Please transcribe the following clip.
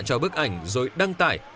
cho bức ảnh rồi đăng tải